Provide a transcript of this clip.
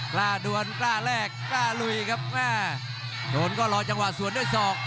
กล้าดวนกล้าแลกกล้าลุยครับแม่โดนก็รอจังหวะสวนด้วยศอก